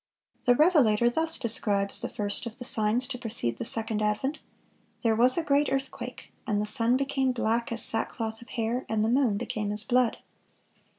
(478) The revelator thus describes the first of the signs to precede the second advent: "There was a great earthquake; and the sun became black as sackcloth of hair, and the moon became as blood."